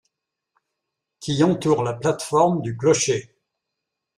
qui entoure la plate-forme du clocher.